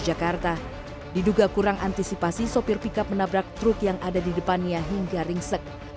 jakarta diduga kurang antisipasi sopir pikap menabrak truk yang ada di depannya hingga ringsek